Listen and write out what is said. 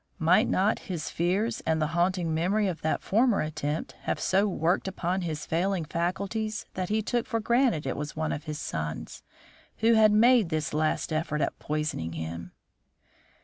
Might not his fears and the haunting memory of that former attempt have so worked upon his failing faculties that he took for granted it was one of his sons who had made this last effort at poisoning him?"